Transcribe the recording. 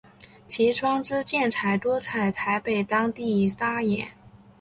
其窗之建材多采台北当地砂岩。